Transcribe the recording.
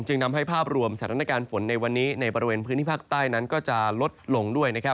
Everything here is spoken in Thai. นำให้ภาพรวมสถานการณ์ฝนในวันนี้ในบริเวณพื้นที่ภาคใต้นั้นก็จะลดลงด้วย